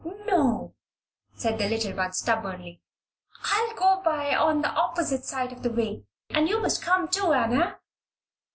"No," said the little one, stubbornly. "I'll go by on the opposite side of the way. And you must come, too, Anna.